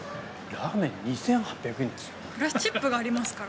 ラーメン２８００円ですよ。